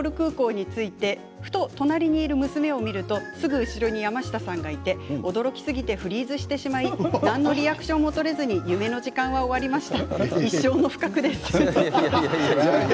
ド・ゴール空港に着いてふと隣にいる娘を見るとすぐ後ろに山下さんがいて、驚きすぎてフリーズしてしまい何のリアクションもできず凍りつきました。